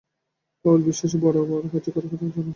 প্রবল বিশ্বাসই বড় বড় কার্যের জনক।